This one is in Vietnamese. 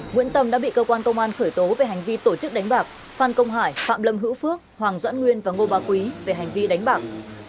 nguyễn tâm đã bị cơ quan công an khởi tố về hành vi tổ chức đánh bạc phan công hải phạm lâm hữu phước hoàng doãn nguyên và ngô bà quý về hành vi đánh bạc